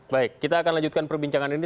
baik kita akan lanjutkan perbincangan ini